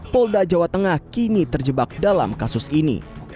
polda jawa tengah kini terjebak dalam kasus ini